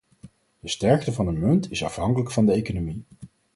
De sterkte van een munt is afhankelijk van de economie.